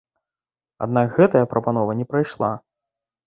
Аднак гэтая прапанова не прайшла.